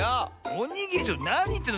おにぎりなにいってんの？